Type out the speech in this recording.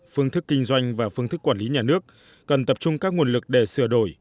phương thức kinh doanh và phương thức quản lý nhà nước cần tập trung các nguồn lực để sửa đổi